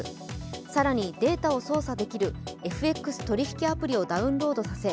更にデータを操作できるＦＸ取引アプリをダウンロードさせ